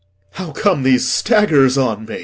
How comes these staggers on me?